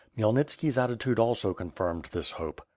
Khmyelnitski's attitude also confirmed this hope.